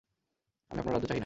আমি আপনার রাজ্য চাহি না।